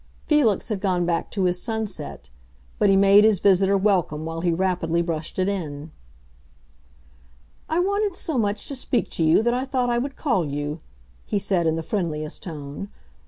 Felix had gone back to his sunset; but he made his visitor welcome while he rapidly brushed it in. "I wanted so much to speak to you that I thought I would call you," he said, in the friendliest tone.